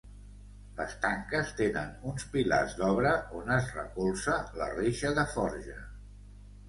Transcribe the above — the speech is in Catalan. Les tanques tenen uns pilars d'obra on es recolza la reixa de forja.